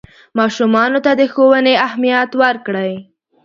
ماشومانو ته د ښوونې اهمیت ورکړئ.